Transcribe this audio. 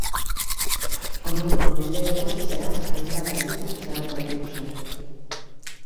Ondorengo mendeetan zehar hainbat alditan zaharberritu zen.